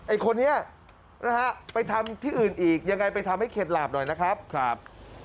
ไอ้คนนี้นะฮะไปทำที่อื่นอีกยังไงไปทำให้เข็ดหลาบหน่อยนะครับครับ